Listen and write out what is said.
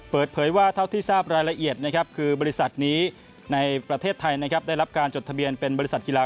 เปิดเผยว่าเท่าที่ทราบรายละเอียดนะครับ